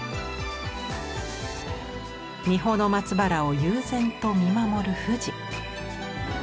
三保の松原を悠然と見守る富士。